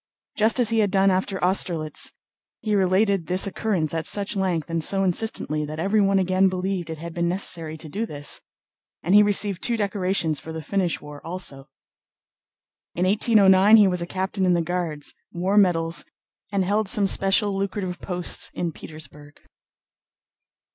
Just as he had done after Austerlitz, he related this occurrence at such length and so insistently that everyone again believed it had been necessary to do this, and he received two decorations for the Finnish war also. In 1809 he was a captain in the Guards, wore medals, and held some special lucrative posts in Petersburg.